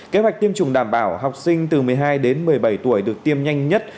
kế hoạch tiêm chủng đảm bảo học sinh từ một mươi hai đến một mươi bảy tuổi được tiêm nhanh nhất